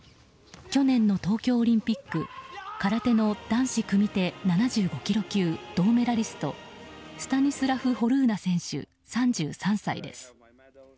去年の東京オリンピック空手の男子組み手７５ｋｇ級銅メダルスタニスラフ・ホルーナ選手３３歳です。